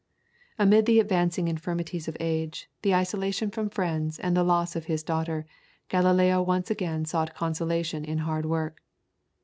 Amid the advancing infirmities of age, the isolation from friends, and the loss of his daughter, Galileo once again sought consolation in hard work.